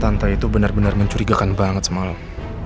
santai itu benar benar mencurigakan banget semalam